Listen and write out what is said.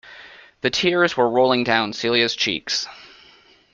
The tears were rolling down Celia's cheeks.